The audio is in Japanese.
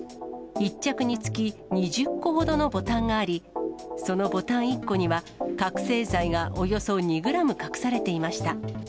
１着につき２０個ほどのボタンがあり、そのボタン１個には覚醒剤がおよそ２グラム隠されていました。